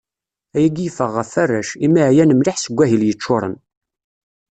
Ayagi yeffeɣ ɣef warrac, imi εyan mliḥ seg wahil yeččuṛen.